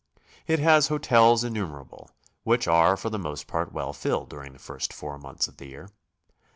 It has hotels innumerable, which are for the most part well filled during the first four months of the year.